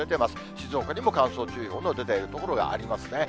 静岡にも乾燥注意報の出ている所がありますね。